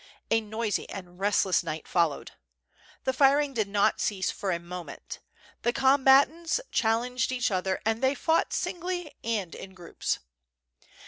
A noisy and restless night followed. The firing did not cease for a moment. The combatants challenged each other and they fought singly and in groups.